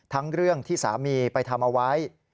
ทั้งเรื่องที่สามีไปทำเอาไว้